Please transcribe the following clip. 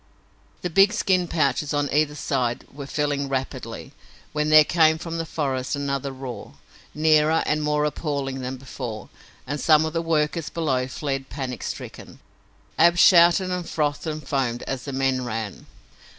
The big skin pouches on either side were filling rapidly, when there came from the forest another roar, nearer and more appalling than before, and some of the workers below fled panic stricken. Ab shouted and frothed and foamed as the men ran.